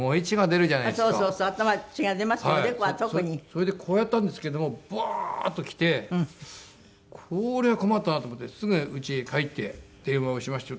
それでこうやったんですけどもブワーッときてこれは困ったなと思ってすぐうちへ帰って電話をしまして。